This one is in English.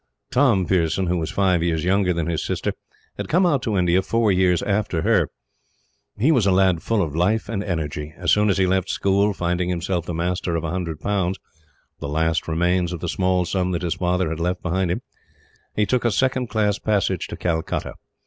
Tom Pearson, who was five years younger than his sister, had come out to India four years after her. He was a lad full of life and energy. As soon as he left school, finding himself the master of a hundred pounds the last remains of the small sum that his father had left behind him he took a second class passage to Calcutta.